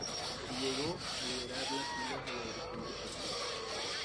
Y llegó a liderar las filas de la dirección del partido.